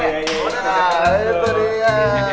nah itu dia